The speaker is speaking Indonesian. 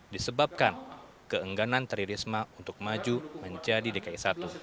disebabkan keengganan tri risma untuk maju menjadi dki satu